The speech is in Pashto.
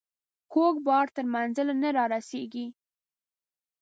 کوږ بار تر منزله نه رارسيږي.